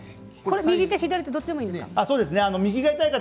右手、左手どっちでもいいんですか？